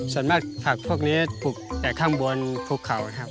ส่วนมากผักพวกนี้ปลูกแต่ข้างบนภูเขานะครับ